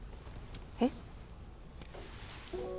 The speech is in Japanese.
えっ？